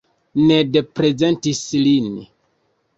Ned prezentis lin.